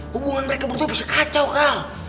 hubungan mereka berdua bisa kacau kali